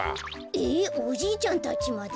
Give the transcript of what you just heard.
えっおじいちゃんたちまで？